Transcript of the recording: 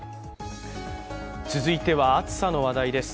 続いては、暑さの話題です。